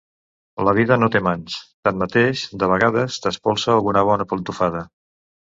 La vida no té mans; tanmateix, de vegades t'espolsa alguna bona plantofada.